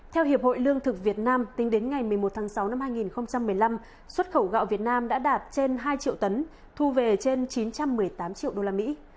theo hiệp hội lương thực việt nam tính đến ngày một mươi một tháng sáu năm hai nghìn một mươi năm xuất khẩu gạo việt nam đã đạt trên hai triệu tấn thu về trên chín trăm một mươi tám triệu đô la mỹ